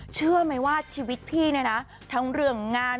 เชื่อมั้ยว่าชีวิตพี่นะทั้งเรื่องงาน